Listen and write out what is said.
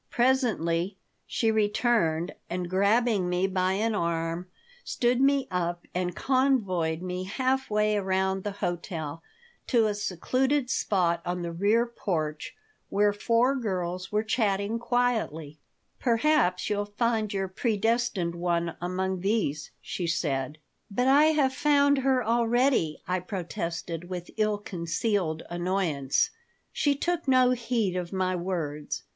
Presently she returned and, grabbing me by an arm, stood me up and convoyed me half way around the hotel to a secluded spot on the rear porch where four girls were chatting quietly "Perhaps you'll find your predestined one among these," she said "But I have found her already," I protested, with ill concealed annoyance She took no heed of my words.